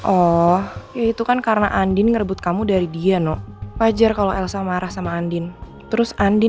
oh itu kan karena andi ngerebut kamu dari dia no wajar kalau elsa marah sama andi terus andi